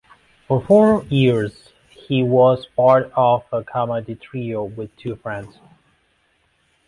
For four years he was part of a comedy trio with two friends.